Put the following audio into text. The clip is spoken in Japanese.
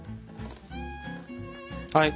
はい！